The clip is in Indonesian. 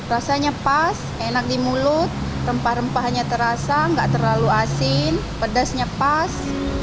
rasanya pas enak di mulut rempah rempahnya terasa nggak terlalu asin pedasnya pas